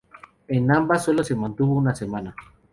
En ambas solo se mantuvo una semana.